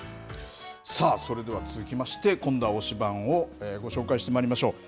さあ、それでは続きまして今度は推しバン！をご紹介してまいりましょう。